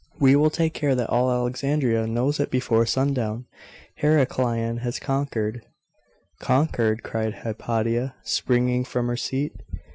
We will take care that all Alexandria knows it before sundown. Heraclian has conquered.' 'Conquered?' cried Hypatia, springing from her seat.